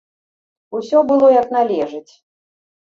Усё было як належыць.